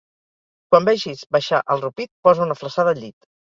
Quan vegis baixar el rupit, posa una flassada al llit